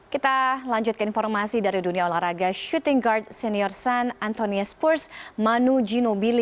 kita lanjutkan informasi dari dunia olahraga shooting guard senior san antonio spurs manu ginobili